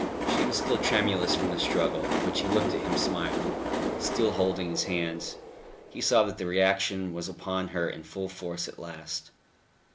She was still tremulous from the struggle; but she looked at him smiling, still holding his hands. He saw that the reaction was upon her in full force at last.